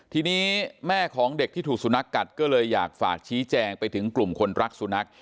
ทีนี้แม่ของเด็กที่ถูกสุนัขกัดก็เลยอยากฝากชี้แจงไปถึงกลุ่มคนรักสุนัข